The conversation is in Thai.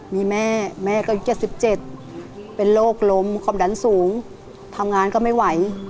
มีแม่แม่ก็๗๗เป็นโรคลมความดันสูงทำงานก็ไม่ไหว